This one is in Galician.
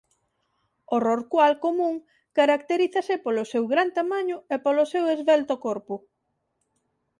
O rorcual común caracterízase polo seu gran tamaño e polo seu esvelto corpo.